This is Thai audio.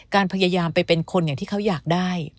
พยายามไปเป็นคนอย่างที่เขาอยากได้